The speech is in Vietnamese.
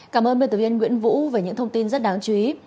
cảm ơn biên tập viên nguyễn vũ về những thông tin rất đáng chú ý